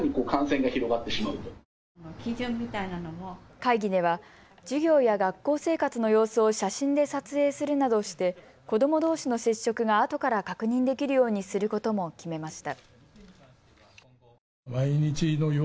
会議では授業や学校生活の様子を写真で撮影するなどして子どもどうしの接触があとから確認できるようにすることも決めました。